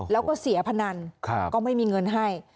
แล้วก็เสียพนันก็ไม่มีเงินให้